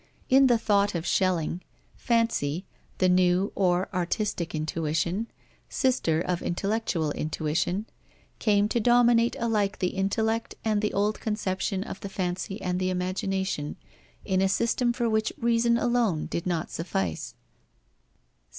In the thought of Schelling, fancy, the new or artistic intuition, sister of intellectual intuition, came to dominate alike the intellect and the old conception of the fancy and the imagination, in a system for which reason alone did not suffice.